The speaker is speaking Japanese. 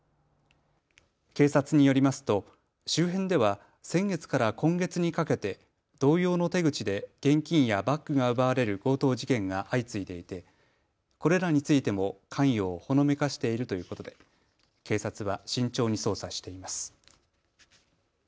警察によりますと周辺では先月から今月にかけて同様の手口で現金やバッグが奪われる強盗事件が相次いでいてこれらについても関与をほのめかしているということで警察は慎重に捜査しています。